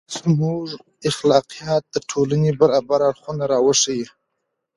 • زموږ اخلاقیات د ټولنې برابر اړخونه راوښيي.